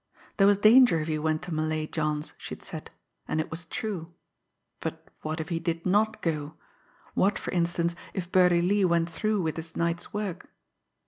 There was danger if he went to Malay John's, she had said and it was true. But what if he did not go! What, for instance, if Birdie Lee went through with this night's work!